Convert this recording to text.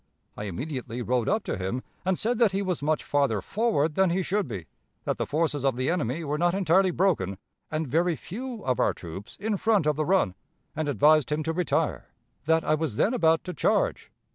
I immediately rode up to him, and said that he was much farther forward than he should be; that the forces of the enemy were not entirely broken, and very few of our troops in front of the Run, and advised him to retire; that I was then about to charge....